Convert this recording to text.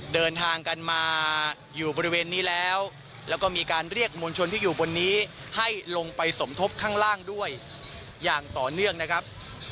เดินทางกันมาอยู่บริเวณนี้แล้วแล้วก็มีการเรียกมวลชนที่อยู่บนนี้ให้ลงไปสมทบข้างล่างด้วยอย่างต่อเนื่องนะครับ